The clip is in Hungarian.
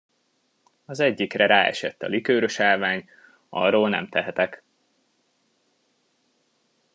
Az egyikre ráesett a likőrösállvány, arról nem tehetek.